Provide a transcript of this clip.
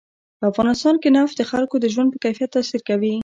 په افغانستان کې نفت د خلکو د ژوند په کیفیت تاثیر کوي.